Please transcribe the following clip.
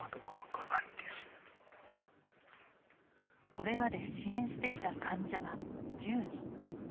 これまで支援してきた患者は１０人。